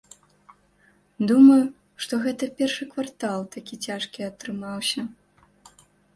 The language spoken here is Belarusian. Думаю, што гэта першы квартал такі цяжкі атрымаўся.